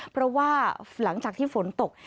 เพราะว่าหลังจากที่ฝนตก